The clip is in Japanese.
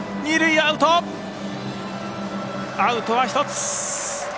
アウトは１つ。